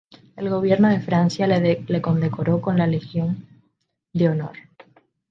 El gobierno de Francia le condecoró con la Legión de Honor.